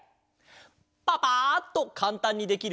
パパッとかんたんにできる。